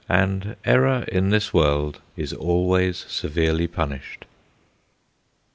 And error in this world is always severely punished.